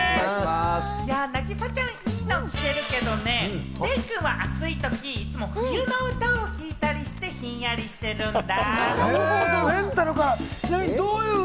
凪咲ちゃん、いいの着てるけれどもね、デイくんは暑いとき冬の歌を聴いたりして、ひんやりしてるんだ。